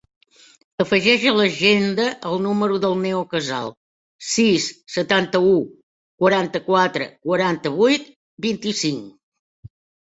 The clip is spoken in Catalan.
Afegeix a l'agenda el número del Neo Casal: sis, setanta-u, quaranta-quatre, quaranta-vuit, vint-i-cinc.